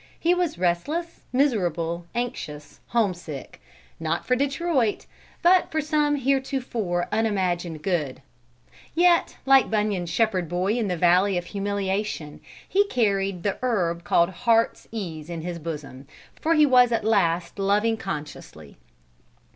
He was restless, miserable, anxious, homesick not for Detroit, but for some heretofore unimagined good; yet, like Bunyan's shepherd boy in the Valley of Humiliation, he carried "the herb called Hearts ease in his bosom," for he was at last loving consciously.